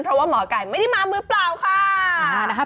เพราะว่าหมอไก่ไม่ได้มามือเปล่าค่ะ